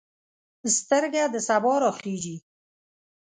سترګه د سبا راخیژي